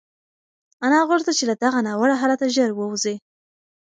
انا غوښتل چې له دغه ناوړه حالته ژر ووځي.